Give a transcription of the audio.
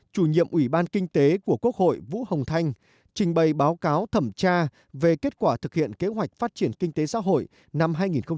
chủ nhiệm ủy ban kinh tế của quốc hội vũ hồng thanh trình bày báo cáo thẩm tra về kết quả thực hiện kế hoạch phát triển kinh tế xã hội năm hai nghìn một mươi chín